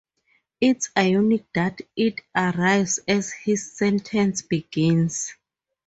It's ironic that it arrives as his sentence begins.